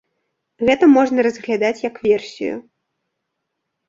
Гэта можна разглядаць, як версію.